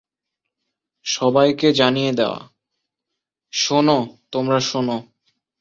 সবাইকে জানিয়ে দেয়া-শোন, তোমরা শোন!